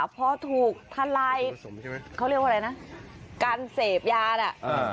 พอถูกทลายใช่ไหมเขาเรียกว่าอะไรนะการเสพยาน่ะ